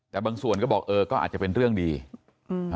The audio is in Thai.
แต่บางส่วนก็บอกเออก็อาจจะเป็นเรื่องดีอืม